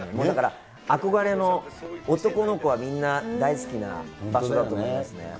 だから、憧れの、男の子はみんな、大好きな場所だと思いますね。